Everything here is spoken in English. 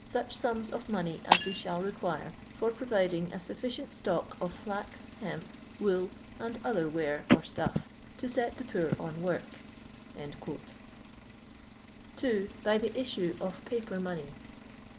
such sums of money as they shall require for providing a sufficient stock of flax, hemp, wool, and other ware or stuff, to set the poor on work." 2. By the issue of paper money.